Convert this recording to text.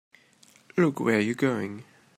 Look where you're going!